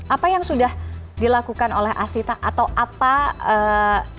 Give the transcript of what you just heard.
apa yang sudah dilakukan oleh asita atau apa yang sudah dilakukan oleh asita ini